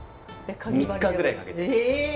３日ぐらいかけて。